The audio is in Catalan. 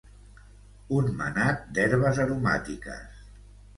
un manat d'herbes aromàtiques